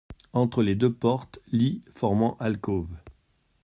Entre les deux portes, lit formant alcôve.